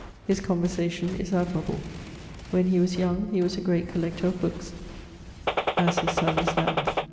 His conversation is admirable. When he was young, he was a great collector of bookes, as his sonne is now.